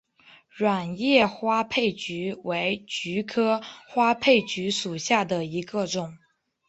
卵叶花佩菊为菊科花佩菊属下的一个种。